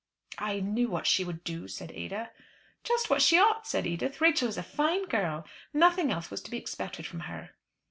"I knew what she would do," said Ada. "Just what she ought," said Edith. "Rachel is a fine girl. Nothing else was to be expected from her."